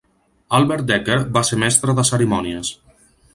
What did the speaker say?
Albert Dekker va ser mestre de cerimònies.